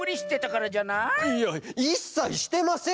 いやいっさいしてません！